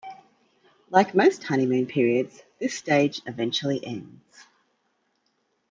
Like most honeymoon periods, this stage eventually ends.